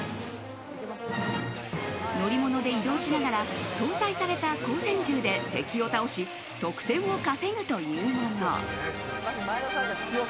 乗り物で移動しながら搭載された光線銃で敵を倒し得点を稼ぐというもの。